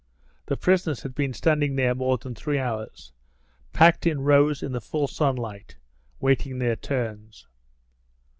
The prisoners had been standing there more than three hours, packed in rows in the full sunlight, waiting their turns.